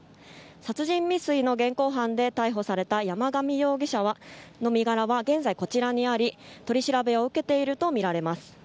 殺人未遂の現行犯で逮捕された山上容疑者の身柄は現在こちらにあり、取り調べを受けているとみられます。